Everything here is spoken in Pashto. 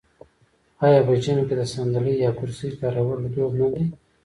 آیا په ژمي کې د ساندلۍ یا کرسۍ کارول دود نه دی؟